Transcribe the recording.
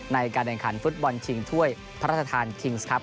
ในการแข่งขันฟุตบอลชิงถ้วยพระราชทานคิงส์ครับ